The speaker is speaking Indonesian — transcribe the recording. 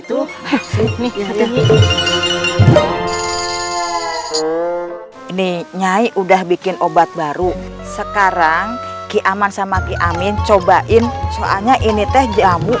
tuh ini nyai udah bikin obat baru sekarang ki aman sama ki amin cobain soalnya ini teh jamu